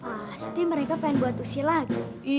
pasti mereka pengen buat usia lagi